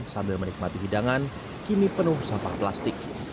sambil menikmati hidangan kini penuh sampah plastik